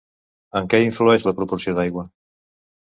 En què influeix la proporció d'aigua?